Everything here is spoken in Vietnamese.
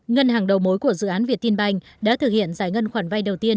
ngân hàng đầu mối của dự án việt tin banh đã thực hiện giải ngân khoản vay đầu tiên